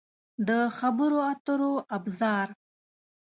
د خبرو اترو ابزار